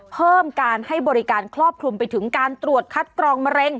เพิ่มการให้บริการครอบคลุมไปถึงการตรวจคัดกรองมะเร็ง